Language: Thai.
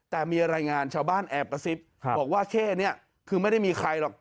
แต่มีรายงานชาวบ้านแอบกระซิบบอกว่าเข้นี้คือไม่ได้มีใครหรอก